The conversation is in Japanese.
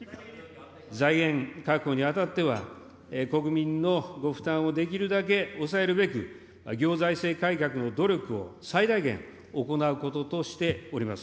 財源確保にあたっては、国民のご負担をできるだけ抑えるべく、行財政改革の努力を最大限行うこととしております。